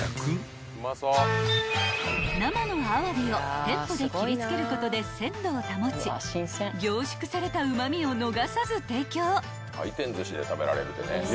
［生のあわびを店舗で切り付けることで鮮度を保ち凝縮されたうま味を逃さず提供］